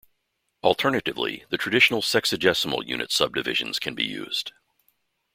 Alternatively, the traditional sexagesimal unit subdivisions can be used.